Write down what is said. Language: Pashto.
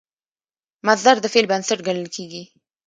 مصدر د فعل بنسټ ګڼل کېږي.